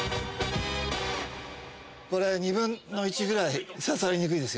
２分の１ぐらい刺されにくいです